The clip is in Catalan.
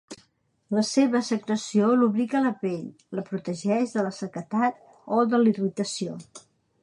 La seva secreció lubrica la pell, la protegeix de la sequedat o de la irritació.